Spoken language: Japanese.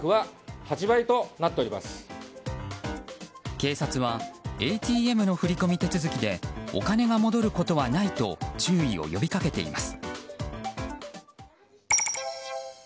警察はＡＴＭの振り込み手続きでお金が戻ることはないと注意を呼びかけています。